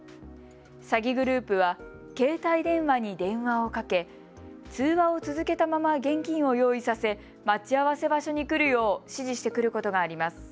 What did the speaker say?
詐欺グループは携帯電話に電話をかけ通話を続けたまま現金を用意させ待ち合わせ場所に来るよう指示してくることがあります。